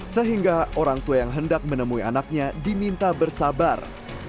sehingga orang tua yang hendak menemui anaknya diminta bersabar